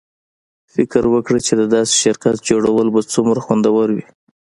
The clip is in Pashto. فکر وکړه چې د داسې شرکت جوړول به څومره خوندور وي